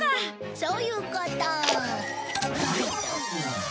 そういうこと。